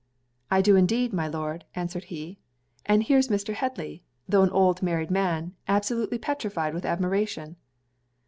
'I do indeed, my Lord,' answered he; 'and here's Mr. Headly, tho' an old married man, absolutely petrified with admiration.'